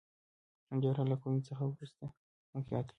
حنجره له کومي څخه وروسته موقعیت لري.